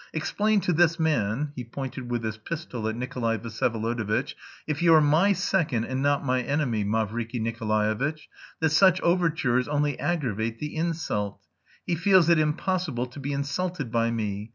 "Explain to this man," he pointed with his pistol at Nikolay Vsyevolodovitch, "if you're my second and not my enemy, Mavriky Nikolaevitch, that such overtures only aggravate the insult. He feels it impossible to be insulted by me!...